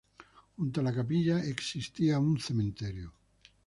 Junto a la capilla existía un cementerio.